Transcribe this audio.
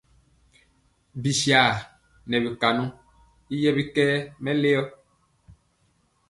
Bisar nɛ bi konɔ y yɛ bikɛɛ mɛleo ri.